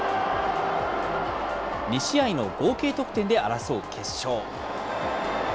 ２試合の合計得点で争う決勝。